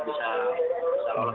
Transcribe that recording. bisa lolos sampai ke final